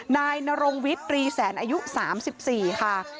นายนรงวิทย์ตรีแสนอายุ๓๔ค่ะ